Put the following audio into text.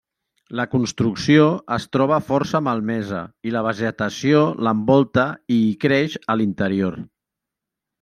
La construcció es troba força malmesa i la vegetació l'envolta i hi creix a l'interior.